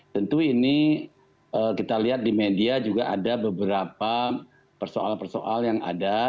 tentu ini kita lihat di media juga ada beberapa persoalan persoalan yang ada